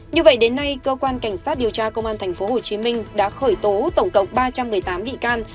như vậy đến nay cơ quan cảnh sát điều tra công an tp hcm đã khởi tố tổng cộng ba trăm một mươi tám bị can